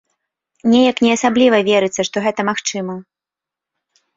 Неяк не асабліва верыцца, што гэта магчыма.